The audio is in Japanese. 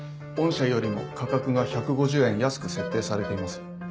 御社よりも価格が１５０円安く設定されています。